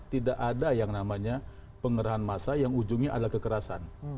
tidak ada yang namanya pengerahan masa yang ujungnya adalah kekerasan